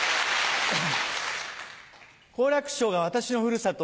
好楽師匠が私のふるさと